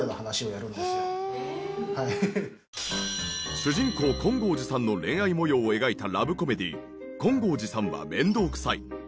主人公金剛寺さんの恋愛模様を描いたラブコメディ『金剛寺さんは面倒くさい』。